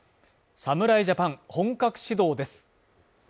侍ジャパン本格始動です